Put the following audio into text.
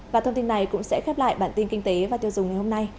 và thông tin này cũng sẽ khép lại bản tin kinh tế và tiêu dùng ngày hôm nay